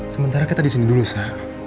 sementara kita disini dulu sa